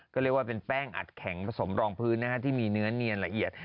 ก็เรียกว่าเป็นแป้งอัดแข็งผสมรองพื้นที่มีเนื้อเนียนละเอียด